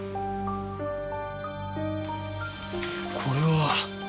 これは！